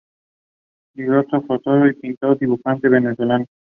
Litógrafo, fotógrafo, pintor y dibujante venezolano.